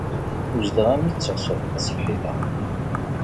Uzzleɣ armi d taɣsert taṣebḥit-a.